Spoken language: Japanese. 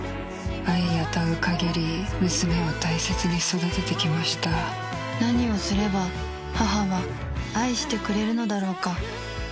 愛かぎり娘を大切に育てて何をすれば母は愛してくれるのだろうか。